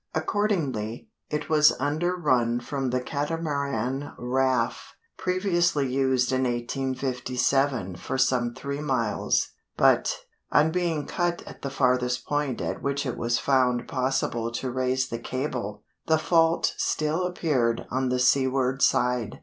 Accordingly, it was underrun from the catamaran raft (previously used in 1857) for some three miles, but, on being cut at the farthest point at which it was found possible to raise the cable, the fault still appeared on the seaward side.